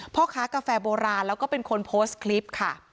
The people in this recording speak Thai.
พ่อค้ากาแฟโบราณแล้วก็เป็นคนโพสต์คลิปค่ะ